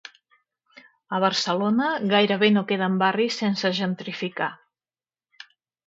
A Barcelona, gairebé no queden barris sense gentrificar.